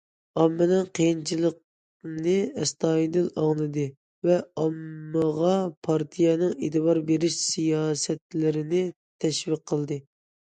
ئاممىنىڭ قىيىنچىلىقىنى ئەستايىدىل ئاڭلىدى ۋە ئاممىغا پارتىيەنىڭ ئېتىبار بېرىش سىياسەتلىرىنى تەشۋىق قىلدى.